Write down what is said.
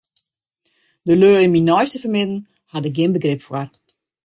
De lju yn myn neiste fermidden hawwe dêr gjin begryp foar.